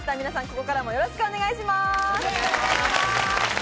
皆さんここからもよろしくお願いします。